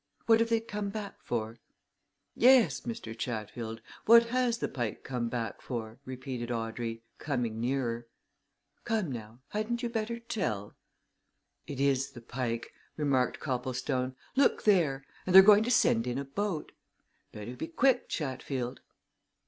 What have they come back for?" "Yes, Mr. Chatfield, what has the Pike come back for?" repeated Audrey, coming nearer. "Come now hadn't you better tell?" "It is the Pike," remarked Copplestone. "Look there! And they're going to send in a boat. Better be quick, Chatfield."